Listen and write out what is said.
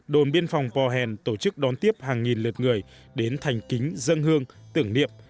đồn biên phòng po hèn tổ chức đón tiếp hàng nghìn lượt người đến thành kính dân hương tưởng niệm